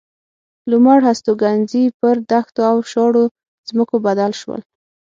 لومړ هستوګنځي پر دښتو او شاړو ځمکو بدل شول.